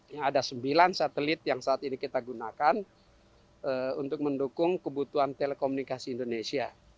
yang ada sembilan satelit yang saat ini kita gunakan untuk mendukung kebutuhan telekomunikasi indonesia